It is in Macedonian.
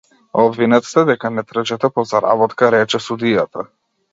Обвинет сте дека не трчате по заработка, рече судијата.